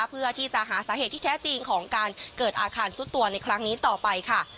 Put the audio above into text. เพื่อที่จะหาสาเหตุที่แท้จริงของการเกิดอาคารสุดตัวในครั้งนี้ต่อไปค่ะ